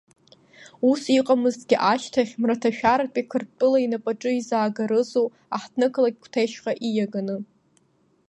Ус иҟамызҭгьы, ашьҭахь Мраҭашәаратәи Қырҭтәыла инапаҿы изаагарызу, аҳҭнықалақь Қәҭешьҟа ииаганы?